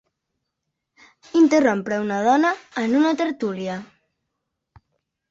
Interrompre una dona en una tertúlia.